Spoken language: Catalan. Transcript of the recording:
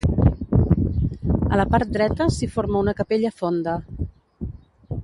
A la part dreta s'hi forma una capella fonda.